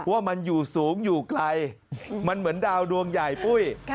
ว่ามันอยู่สูงอยู่ไกลมันเหมือนดาวดวงใหญ่ปุ้ย